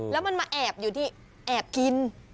แล้วมันมาแอบอยู่ที่แอบกิน